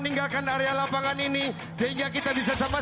dan kemampuan terbuka